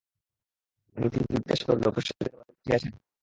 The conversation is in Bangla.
নিধি জিজ্ঞাসা করিল, ঘোষেদের বাড়ি দেখিয়াছেন?